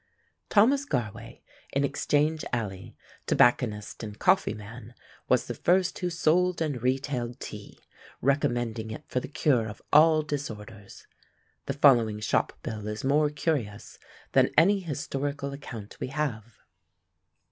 Thomas Garway, in Exchange alley, tobacconist and coffee man, was the first who sold and retailed tea, recommending it for the cure of all disorders. The following shop bill is more curious than any historical account we have.